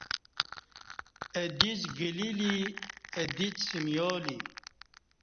اہ دیڅ گلی لی اہ دیڅ سمیالی